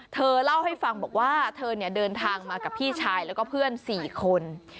เธอเล่าให้ฟังบอกว่าเธอเดินทางมากับพี่ชายแล้วก็เพื่อน๔คน